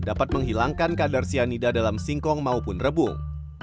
dapat menghilangkan kadar cyanida dalam singkong maupun rebung